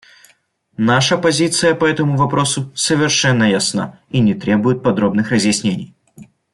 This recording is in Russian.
Наша позиция по этому вопросу совершенно ясна и не требует подробных разъяснений.